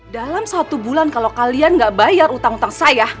dalam satu bulan kalau kalian nggak bayar utang utang saya